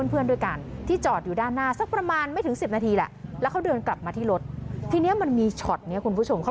ยืนคร่อมรถมอเตอร์ไซด์อยู่เหลงปืนมาที่ตัวเขา